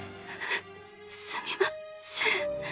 すみません。